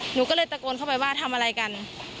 หนูก็เลยตะโกนเข้าไปว่าทำอะไรกัน